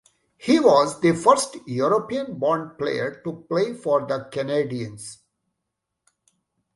He was the first European-born player to play for the Canadiens.